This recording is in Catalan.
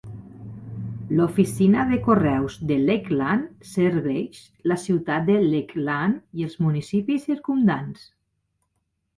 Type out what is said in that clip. L'oficina de correus de Lakeland serveix la ciutat de Lakeland i els municipis circumdants.